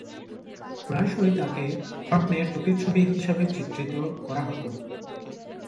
প্রায়শঃই তাকে হাটনের প্রতিচ্ছবি হিসেবে চিত্রিত করা হতো।